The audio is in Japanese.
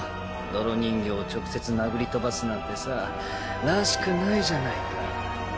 泥人形を直接殴り飛ばすなんてさらしくないじゃないか。